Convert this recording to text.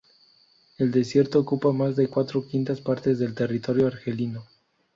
El desierto ocupa más de cuatro quintas partes del territorio argelino.